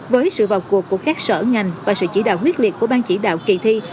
với sự vào cuộc của các sở ngành và sự chỉ đạo quyết liệt của bang chỉ đạo kỳ thi